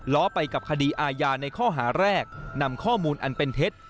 ล้อไปกับคดีอาญาในข้อหาแรกนำข้อมูลอันเป็นเท็จ